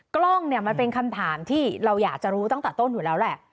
กล้องเนี่ยมันเป็นคำถามที่เราอยากจะรู้ตั้งแต่ต้นอยู่แล้วแหละ